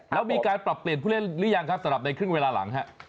แล้วมีการปรับเปลี่ยนผู้เล่นหรือยังครับสำหรับในครึ่งเวลาหลังฮะ